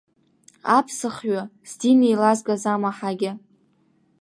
Аԥсахҩы, здин еилазгаз амаҳагьа!